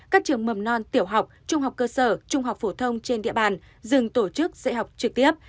các trường mầm non tiểu học trung học cơ sở trung học phổ thông trên địa bàn dừng tổ chức dạy học trực tiếp